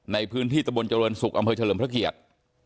ในพื้นที่ตะบนเจริญศุกร์อำเภอเฉลิมพระเกียรติ